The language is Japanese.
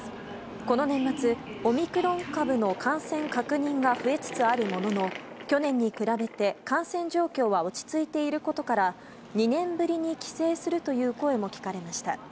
この年末、オミクロン株の感染確認が増えつつあるものの、去年に比べて感染状況は落ち着いていることから、２年ぶりに帰省するという声も聞かれました。